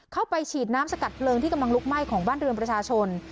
เข้าไปฉีดน้ำสกัดเพลิงที่กำลังลุกไหม้ของบ้านเรือนประชาชน